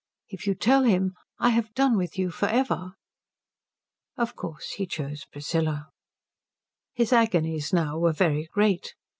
If you tell him, I have done with you for ever." Of course he chose Priscilla. His agonies now were very great.